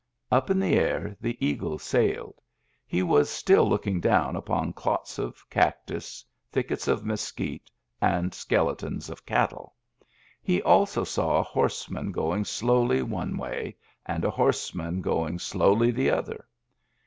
Up in the air the eagle sailed. He was still looking down upon clots of cactus, thickets of mesquite, and skeletons of cattle. He also saw a horseman going slowly one way, and a horseman going slowly the other.